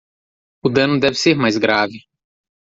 O dano deve ser mais grave